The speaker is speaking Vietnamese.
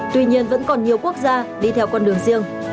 tuy nhiên vẫn còn nhiều quốc gia đi theo con đường riêng